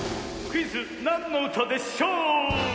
クイズ「なんのうたでしょう」！